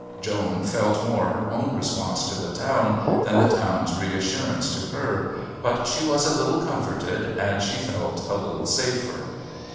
Joan felt more her own response to the town than the town's reassurance to her, but she was a little comforted and she felt a little safer.